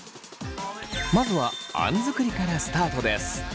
まずはあん作りからスタートです。